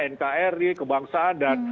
nkri kebangsaan dan